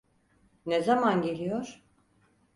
Ne zaman geliyor?